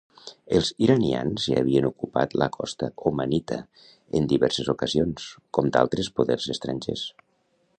Els iranians ja havien ocupat la costa omanita en diverses ocasions, com d'altres poders estrangers.